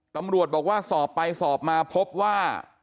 ตำรวจบอกว่าสอบไปสอบมาพบว่า